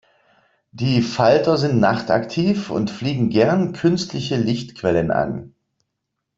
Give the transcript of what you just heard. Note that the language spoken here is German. Die Falter sind nachtaktiv und fliegen gern künstliche Lichtquellen an.